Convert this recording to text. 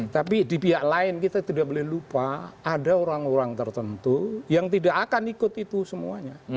tapi di pihak lain kita tidak boleh lupa ada orang orang tertentu yang tidak akan ikut itu semuanya